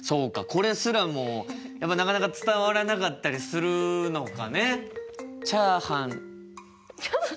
これすらもやっぱなかなか伝わらなかったりするのかね？